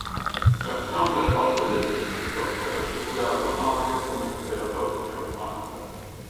Su entrambe le valve del dittico è raffigurato Onorio come "imperator" trionfante.